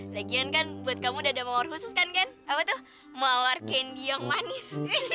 lagian kan buat kamu udah ada mawar khusus kan kan apa tuh mawar candi yang manis